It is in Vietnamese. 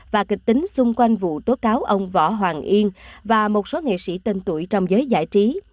và kịch tính xung quanh vụ tố cáo ông võ hoàng yên và một số nghệ sĩ tên tuổi trong giới giải trí